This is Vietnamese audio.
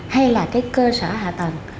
hay là cái cơ sở hạ tầng